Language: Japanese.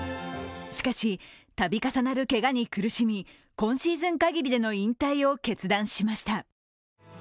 しかし、度重なるけがに苦しみ今シーズン限りでの引退を決断しました。